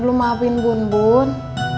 belum maafin bumbun